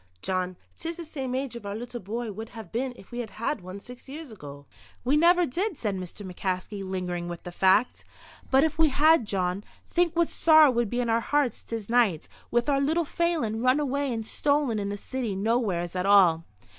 Jawn, 'tis the same age our little bye would have been if we had had one six years ago." "We never did," said Mr. McCaskey, lingering with the fact. "But if we had, Jawn, think what sorrow would be in our hearts this night, with our little Phelan run away and stolen in the city nowheres at all."